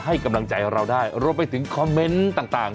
ให้กำลังใจเราได้รวมไปถึงคอมเมนต์ต่าง